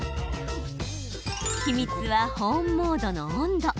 秘密は保温モードの温度。